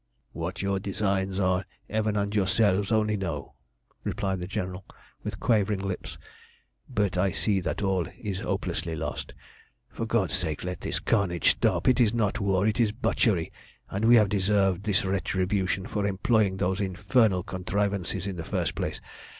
"What your designs are Heaven and yourselves only know," replied the General, with quivering lips. "But I see that all is hopelessly lost. For God's sake let this carnage stop! It is not war, it is butchery, and we have deserved this retribution for employing those infernal contrivances in the first place.